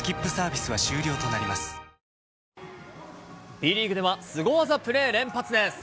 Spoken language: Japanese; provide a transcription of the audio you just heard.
Ｂリーグでは、スゴ技プレー連発です。